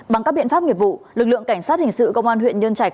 bằng các biện pháp nghiệp vụ lực lượng cảnh sát hình sự công an huyện nhân trạch